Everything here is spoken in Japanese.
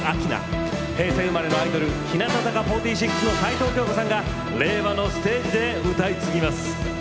平成生まれのアイドル日向坂４６の齊藤京子さんが令和のステージで歌い継ぎます。